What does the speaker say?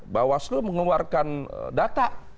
bawaslu mengeluarkan data